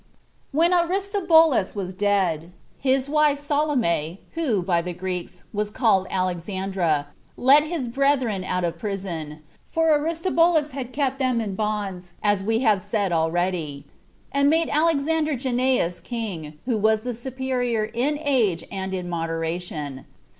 1. When Aristobulus was dead, his wife Salome, who, by the Greeks, was called Alexandra, let his brethren out of prison, [for Aristobulus had kept them in bonds, as we have said already,] and made Alexander Janneus king, who was the superior in age and in moderation.